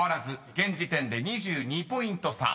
現時点で２２ポイント差］